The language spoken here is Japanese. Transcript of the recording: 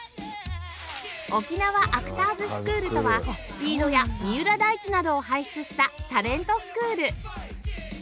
沖縄アクターズスクールとは ＳＰＥＥＤ や三浦大知などを輩出したタレントスクール